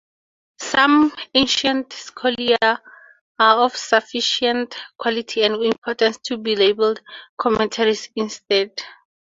Some ancient scholia are of sufficient quality and importance to be labelled "commentaries" instead.